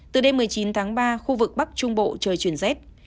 từ đêm một mươi chín tháng ba khu vực bắc trung bộ trời chuyển rét